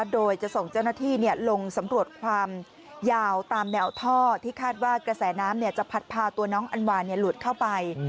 โดยจะส่งเจ้าหน้าที่ลงสำรวจความยาวตามแนวท่อที่คาดว่ากระแสน้ำจะพัดพาตัวน้องอันวาหลุดเข้าไป